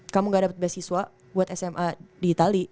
kamu gak dapat beasiswa buat sma di itali